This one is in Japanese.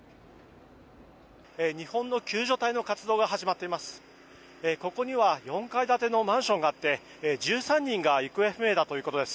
日本の救助隊の活動が始まっています。